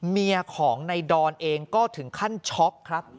เมียของในดอนเองก็ถึงขั้นช็อกครับ